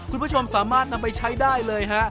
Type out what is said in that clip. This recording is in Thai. คุณผู้ชมสามารถนำไปใช้ได้เลยฮะ